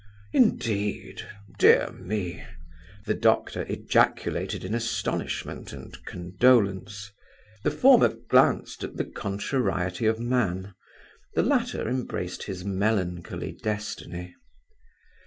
"Indeed! Dear me!" the doctor ejaculated in astonishment and condolence. The former glanced at the contrariety of man, the latter embraced his melancholy destiny.